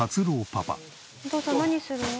お父さん何するの？